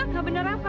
nggak benar apa